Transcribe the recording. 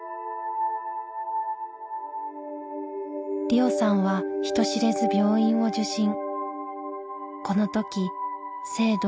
りおさんは人知れず病院を受診。